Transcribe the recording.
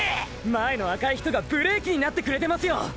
前の赤い人がブレーキになってくれてますよォ！！